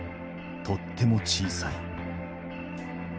とっても小さい。